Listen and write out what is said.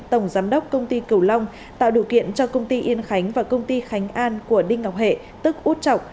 tổng giám đốc công ty cửu long tạo điều kiện cho công ty yên khánh và công ty khánh an của đinh ngọc hệ tức út chọc